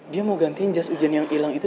dia mau gantiin jas hujan yang hilang itu